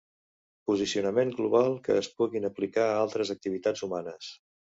Posicionament Global que es puguin aplicar a altres activitats humanes.